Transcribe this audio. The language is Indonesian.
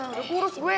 udah kurus gue